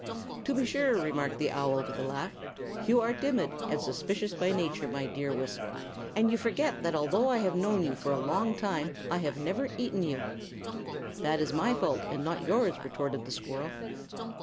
"To be sure," remarked the owl, with a laugh. "You are timid and suspicious by nature, my dear Wisk, and you forget that although I have known you for a long time I have never yet eaten you." "That is my fault, and not yours," retorted the squirrel.